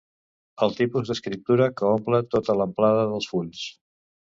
El tipus d'escriptura que omple tota l'amplada dels fulls.